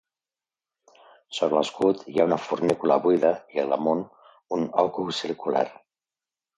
Sobre l'escut hi ha una fornícula buida, i al damunt, un òcul circular.